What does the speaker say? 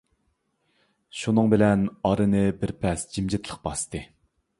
شۇنىڭ بىلەن ئارىنى بىر پەس جىمجىتلىق باستى.